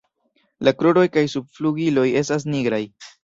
La kruroj kaj subflugiloj estas nigraj.